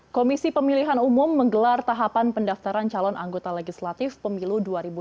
komisi pemilihan umum menggelar tahapan pendaftaran calon anggota legislatif pemilu dua ribu dua puluh